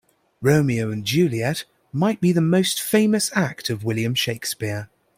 Romeo and Juliet might be the most famous act of William Shakespeare.